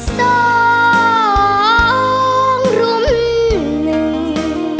สองรุ่มหนึ่ง